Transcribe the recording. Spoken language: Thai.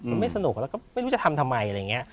มันไม่สนุกแล้วก็ไม่รู้จะทำทำไมอะไรอย่างนี้